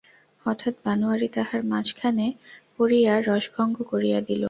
হঠাৎ বনোয়ারি তাহার মাঝখানে পড়িয়া রসভঙ্গ করিয়া দিল।